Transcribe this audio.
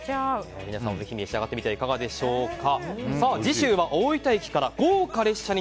皆さんぜひ召し上がってみてはいかがでしょうか。